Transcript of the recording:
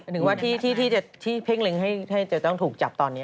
หนึ่งว่าที่จะเพ่งเล็งให้จะต้องถูกจับตอนนี้